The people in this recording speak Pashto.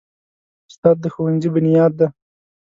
استاد د ښوونځي بنیاد دی.